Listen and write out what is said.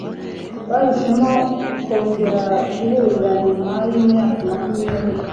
Bahisemo kongera guhurira nyuma yimyaka makumyabiri.